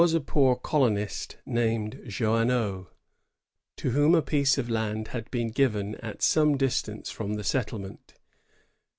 a poor colonist named Jouaneaux, to whom a piece of land had been given at some dis tance from the settlement.